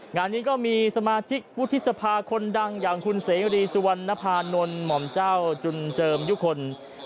งานนี้ก็มีสมาชิกวุฒิสภาคนดังอย่างคุณเสรีสุวรรณภานนท์หม่อมเจ้าจุนเจิมยุคล